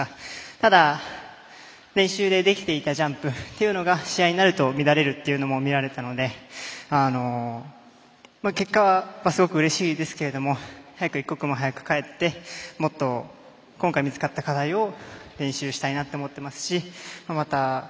ただ、練習でできていたジャンプというのが試合になると乱れるっていうのもみられたので結果はすごくうれしいですけども一刻も早く帰って今回見つかった課題を練習したいなと思っていますしまた、